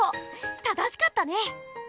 正しかったね！